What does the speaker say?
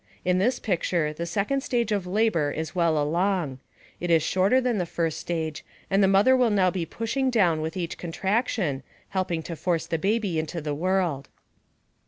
In this picture the second stage of labor is well along. It is shorter than the first stage and the mother will now be pushing down with each contraction, helping to force the baby into the world.